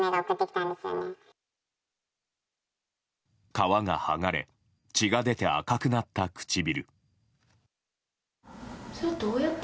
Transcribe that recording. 皮がはがれ血が出て赤くなった唇。